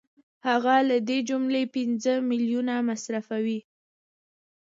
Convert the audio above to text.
هغه له دې جملې پنځه میلیونه مصرفوي